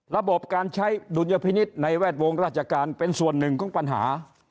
ระบบการใช้ดุลยพินิษฐ์ในแวดวงราชการเป็นส่วนหนึ่งของปัญหา